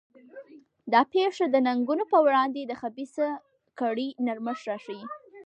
دا پېښه د ننګونو پر وړاندې د خبیثه کړۍ نرمښت راښيي.